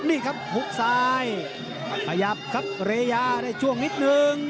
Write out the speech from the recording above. นี่ครับหุบซ้ายขยับครับเรยาได้ช่วงนิดนึง